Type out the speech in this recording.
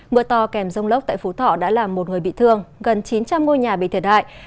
mưa to kèm rông lốc tại phú thọ đã làm một người bị thương gần chín trăm linh ngôi nhà bị thiệt hại